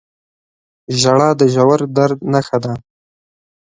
• ژړا د ژور درد نښه ده.